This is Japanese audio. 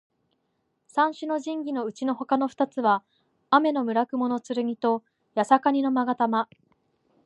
三種の神器のうつのほかの二つは天叢雲剣と八尺瓊勾玉。